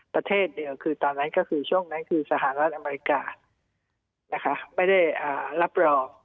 ประเทศเดียวคือตอนนั้นก็คือช่วงนั้นคือสหรัฐอเมริกานะคะไม่ได้รับรอง